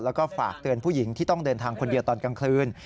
แล้วก็ฝากเตือนผู้หญิงที่ต้องเดินทางคนเดียวตอนกลางคืน